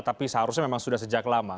tapi seharusnya memang sudah sejak lama